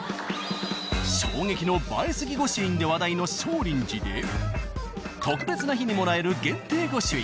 衝撃の映えすぎ御朱印で話題の勝林寺で特別な日にもらえる限定御朱印。